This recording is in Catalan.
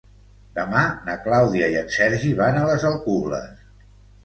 Demà na Clàudia i en Sergi van a les Alcubles.